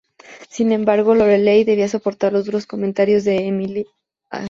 Sin embargo, Lorelai debe soportar los duros comentarios que Emily hace.